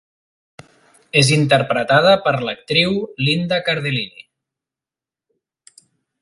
És interpretada per l'actriu Linda Cardellini.